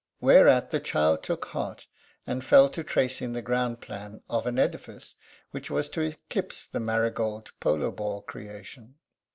Whereat the child took heart and fell to tracing the ground plan of an edifice which was to eclipse the marigold polo ball creation.